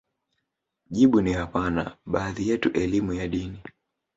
jibu ni hapana Baadhi yetu elimu ya dini